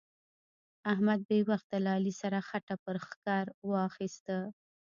احمد بې وخته له علي سره خټه پر ښکر واخيسته.